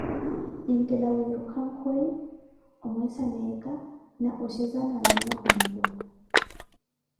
Nineetthela wiiruka nkoy, omweesa neeka na oshezana anahumpwe.